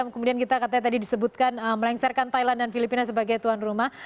kemudian kita katanya tadi disebutkan melengsarkan thailand dan filipina sebagai tuan rumah